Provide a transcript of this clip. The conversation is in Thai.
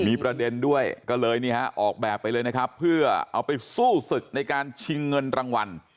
มีประเด็นด้วยก็เลยนี่ฮะออกแบบไปเลยนะครับเพื่อเอาไปสู้ศึกในการชิงเงินรางวัล